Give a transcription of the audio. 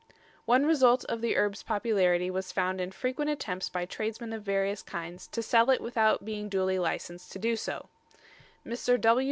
One result of the herb's popularity was found in frequent attempts by tradesmen of various kinds to sell it without being duly licensed to do so. Mr.